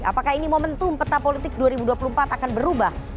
apakah ini momentum peta politik dua ribu dua puluh empat akan berubah